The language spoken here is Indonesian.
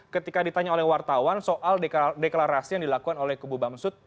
ketika ditanya oleh wartawan soal deklarasi yang dilakukan oleh kubu bamsud